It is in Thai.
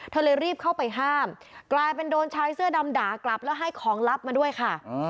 เลยรีบเข้าไปห้ามกลายเป็นโดนชายเสื้อดำด่ากลับแล้วให้ของลับมาด้วยค่ะ